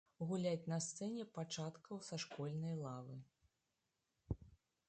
Гуляць на сцэне пачаткаў са школьнай лавы.